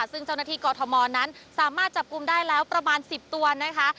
ซึ่งเจ้าหน้าที่กอทมนั้นสามารถจับกลุ่มได้แล้วประมาณ๑๐ตัวนะคะ